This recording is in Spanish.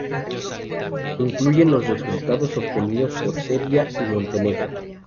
Se incluyen los resultados obtenidos por Serbia y Montenegro.